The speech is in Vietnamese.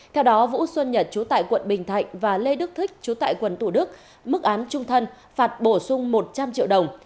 theo đó vũ xuân nhật chú tại quận bình thạnh và lê đức thích chú tại quận thủ đức mức án trung thân phạt bổ sung một trăm linh triệu đồng